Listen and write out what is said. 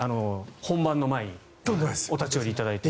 本番の前にお立ち寄りいただいて。